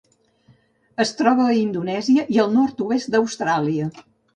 Es troba a Indonèsia i al nord-oest d'Austràlia.